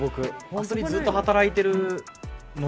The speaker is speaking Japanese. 本当にずっと働いてるので。